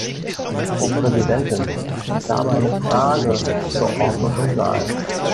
Frau Präsidentin! Ich habe eine Frage zur Ordnung im Saal.